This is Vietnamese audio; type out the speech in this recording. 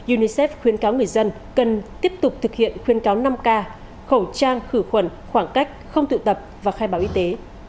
unicef khuyến cáo người dân cần tiếp tục thực hiện khuyên cáo năm k khẩu trang khử khuẩn khoảng cách không tụ tập và khai báo y tế